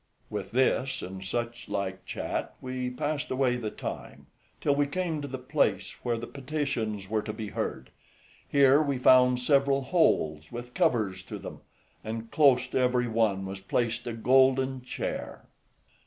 With this and such like chat we passed away the time, till we came to the place where the petitions were to be heard. Here we found several holes, with covers to them, and close to every one was placed a golden chair.